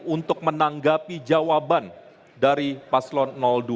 untuk menanggapi jawaban dari paslon dua